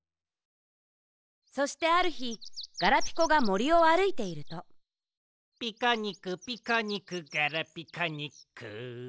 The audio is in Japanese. そしてあるひガラピコがもりをあるいていると「ピコニクピコニクガラピコニック」